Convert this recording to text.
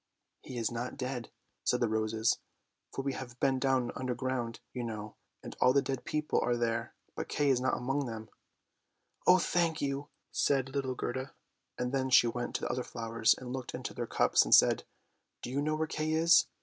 "He is not dead," said the roses. " For we have been down underground, you know, and all the dead people are there, but Kay is not among them." " Oh, thank you! " said little Gerda, and then she went to the other flowers and looked into their cups and said, " Do you know where Kay is?